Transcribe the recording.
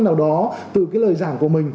nào đó từ cái lời giảng của mình